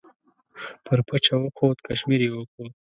پر پچه وخوت کشمیر یې وکوت.